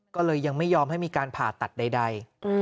ก็เลยยังไม่ยอมให้มีการผ่าตัดใด